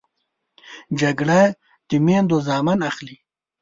جګړه د میندو زامن اخلي